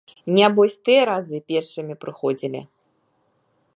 Нябось тыя разы першымі прыходзілі.